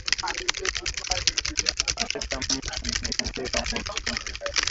Kuteta mutu ni mubaya ni bora kumwambia